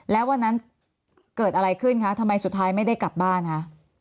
แล้ววันนั้นเกิดอะไรขึ้นคะทำไมสุดท้ายไม่ได้กลับบ้านคะ